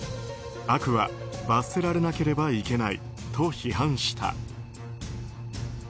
悪は罰せられなければいけないと批判した。